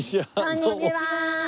こんにちは。